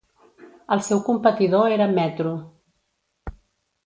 El seu competidor era "Metro".